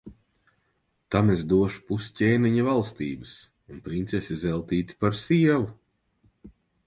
Tam es došu pus ķēniņa valstības un princesi Zeltīti par sievu.